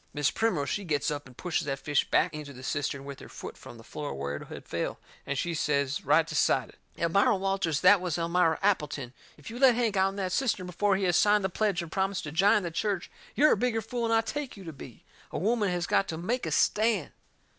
Mis' Primrose, she gets up and pushes that fish back into the cistern with her foot from the floor where it had fell, and she says right decided: "Elmira Walters, that was Elmira Appleton, if you let Hank out'n that cistern before he has signed the pledge and promised to jine the church you're a bigger fool 'n I take you to be. A woman has got to make a stand!"